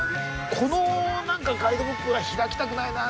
この何かガイドブックは開きたくないな。